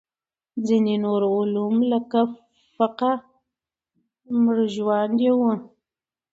ځینې نور علوم لکه فقه مړژواندي وو.